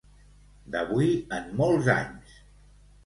D'avui en molts anys!